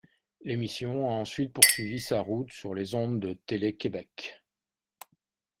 L'émission a ensuite poursuivi sa route sur les ondes de Télé-Québec.